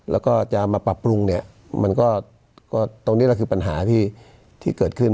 แล้วก็จะมาปรับปรุงเนี่ยมันก็ตรงนี้แหละคือปัญหาที่เกิดขึ้น